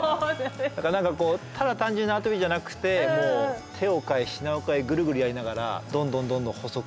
だから何かこうただ単純に縄跳びじゃなくてもう手を変え品を変えぐるぐるやりながらどんどんどんどん細くしていく。